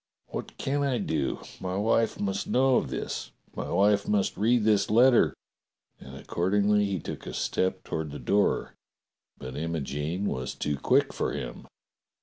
^ What can I do? My wife must know of this ! My wife must read this letter," and accordingly he took a step toward the door. But Imogene was too quick for him.